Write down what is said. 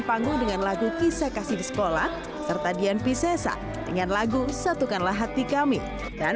panggung dengan lagu kisah kasih di sekolah serta dian piscesa dengan lagu satukanlah hati kami dan